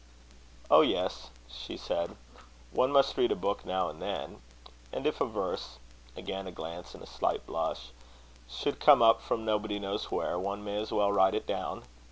"Oh! yes," she said; "one must read a book now and then; and if a verse" again a glance and a slight blush "should come up from nobody knows where, one may as well write it down.